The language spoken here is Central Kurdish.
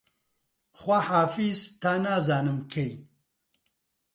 خواحافیز تا نازانم کەی